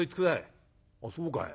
「ああそうかい。